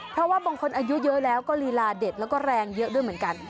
เพราะว่าบางคนอายุเยอะแล้วก็ลีลาเด็ดแล้วก็แรงเยอะด้วยเหมือนกัน